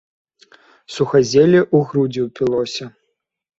Сухазелле у грудзі ўпілося.